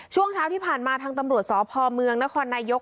ช่วงเช้าที่ผ่านมาทางตำรวจสพเมืองนครนายก